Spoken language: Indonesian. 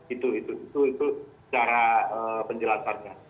itu itu itu itu cara penjelasannya